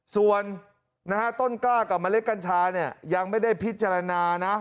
ส่วนต้นกล้ากับเมล็ดกัญชาเนี่ยยังไม่ได้พิจารณานะ